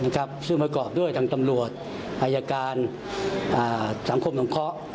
นะครับซึ่งประกอบด้วยทางตำรวจอายการอ่าสังคมต่องเพราะ